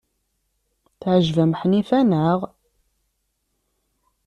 Teɛjeb-am Ḥnifa, naɣ?